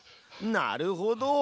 なるほど！